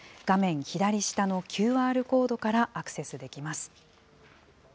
画面左下のＱＲコードからアクセスできます。